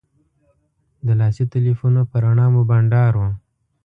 د لاسي تیلفونو په رڼا مو بنډار و.